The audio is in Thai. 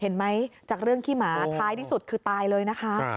นิ้งทุกวัน